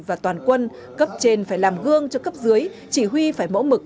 và toàn quân cấp trên phải làm gương cho cấp dưới chỉ huy phải mẫu mực